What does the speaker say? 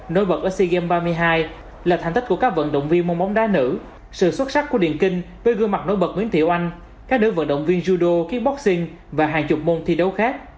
nối bật ở sea games ba mươi hai là thành tích của các vận động viên mông bóng đá nữ sự xuất sắc của điện kinh với gương mặt nối bật nguyễn thiệu anh các đứa vận động viên judo kickboxing và hàng chục môn thi đấu khác